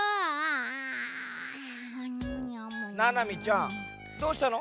ななみちゃんどうしたの？